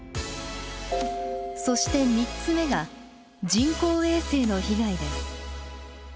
そして３つ目が人工衛星の被害です。